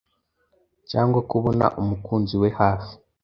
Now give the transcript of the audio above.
cyangwa kubona umukunzi we hafi